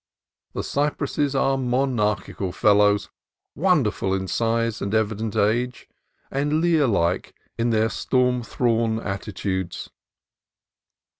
The cypresses are monarchical fellows, wonderful in size and evident age, and Lear like in their storm thrawn attitudes.